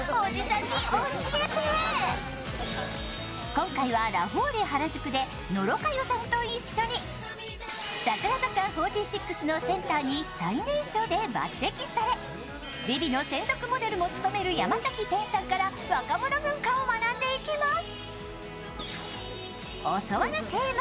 今回はラフォーレ原宿で野呂佳代さんと一緒に、櫻坂４６のセンターに最年少で抜てきされ「ＶｉＶｉ」の専属モデルも務める山崎天さんから若者文化を学んでいきます。